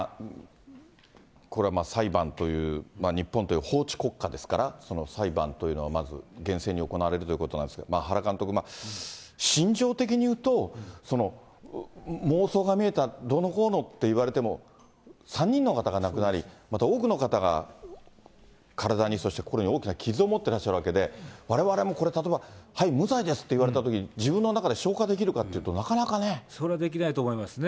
これまあ、裁判という、日本という法治国家ですから、裁判というのはまず厳正に行われるということなんですけれども、原監督、心情的にいうと、妄想が見えたどうのこうのって言われても、３人の方が亡くなり、また多くの方が体にそして心に大きな傷を持ってらっしゃるわけで、われわれもこれ、例えば、はい、無罪ですって言われたときに自分の中で消化できるかっていうと、それはできないと思いますね。